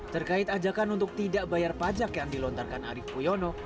terkait ajakan untuk tidak bayar pajak yang dilontarkan arief puyono